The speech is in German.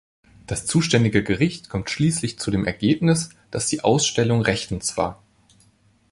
Das zuständige Gericht kommt schließlich zu dem Ergebnis, dass die Ausstellung rechtens war.